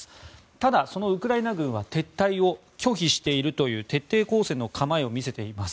ただ、そのウクライナ軍は撤退を拒否しているという徹底抗戦の構えを見せています。